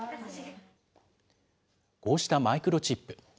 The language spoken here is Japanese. こうしたマイクロチップ。